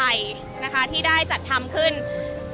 อาจจะออกมาใช้สิทธิ์กันแล้วก็จะอยู่ยาวถึงในข้ามคืนนี้เลยนะคะ